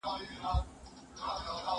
زه پرون نان خورم،